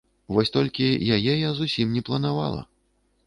Вось толькі яе я зусім не планавала.